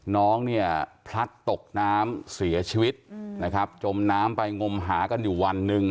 น้องเนี่ยพลัดตกน้ำเสียชีวิตนะครับจมน้ำไปงมหากันอยู่วันหนึ่ง